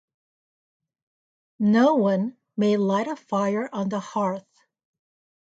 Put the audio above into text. No one may light a fire on the hearth.